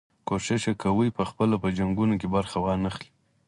کوښښ یې کاوه پخپله په جنګونو کې برخه وانه خلي.